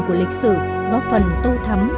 của lịch sử có phần tô thắm